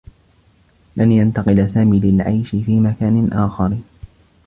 لن ينتقل سامي للعيش في مكان آخر.